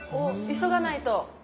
急がないと。